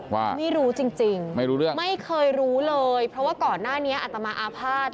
ว่าไม่รู้จริงจริงไม่รู้เรื่องไม่เคยรู้เลยเพราะว่าก่อนหน้านี้อัตมาอาภาษณ์